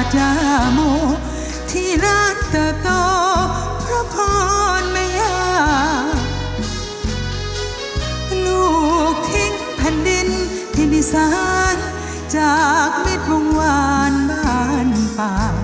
ลูกทิ้งแผ่นดินที่อีสานจากมิตรวงวานบ้านป่า